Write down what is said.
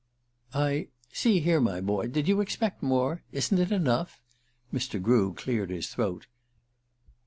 "I see here, my boy; did you expect more? Isn't it enough?" Mr. Grew cleared his throat.